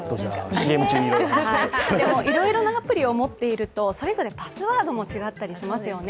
いろいろなアプリを持っていると、それぞれパスワードも違ったりしますよね。